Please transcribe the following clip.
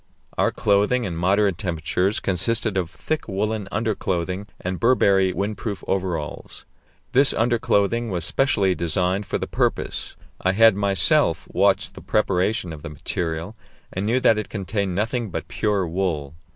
Our clothing in moderate temperatures consisted of thick woollen underclothing and Burberry windproof overalls. This underclothing was specially designed for the purpose; I had myself watched the preparation of the material, and knew that it contained nothing but pure wool.